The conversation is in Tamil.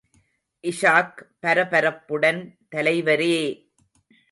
இஷாக் பரபரப்புடன், தலைவரே!